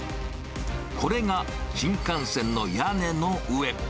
これが新幹線の屋根の上。